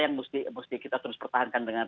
yang mesti kita terus pertahankan dengan